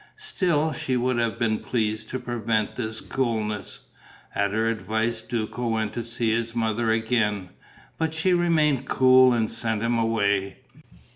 Still, she would have been pleased to prevent this coolness. At her advice Duco went to see his mother again, but she remained cool and sent him away.